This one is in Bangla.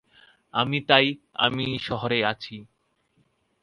আর তাই আমি শহরে আছি।